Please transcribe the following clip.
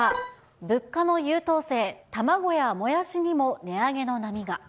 物価の優等生、卵やもやしにも値上げの波が。